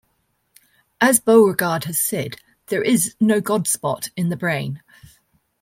As Beauregard has said, There is no God spot in the brain.